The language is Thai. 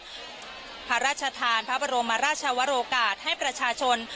พระราชทานพระบรมราชวรกาศให้ประชาชน